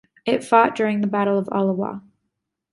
It fought during the Battle of Oliwa.